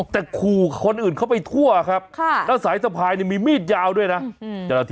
แต่คู่คนอื่นเข้าไปทั่วครับค่ะแล้วสายสะพายเนี่ยมีมีดยาวด้วยน่ะอืม